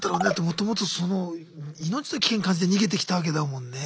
もともと命の危険感じて逃げてきたわけだもんね。